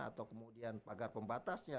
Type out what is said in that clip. atau kemudian pagar pembatasnya